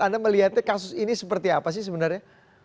anda melihatnya kasus ini seperti apa sih sebenarnya